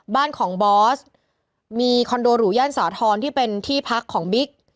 บ้านของบอสมีคอนโดหรูย่านสาธรณ์ที่เป็นที่พักของบิ๊ก